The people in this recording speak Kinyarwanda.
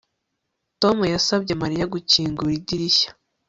Tom yasabye Mariya gukingura idirishya